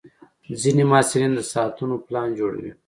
ځینې محصلین د ساعتونو پلان جوړوي.